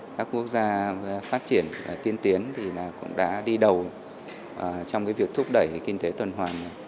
các quốc gia phát triển tiên tiến thì cũng đã đi đầu trong việc thúc đẩy kinh tế tuần hoàn